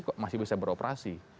kok masih bisa beroperasi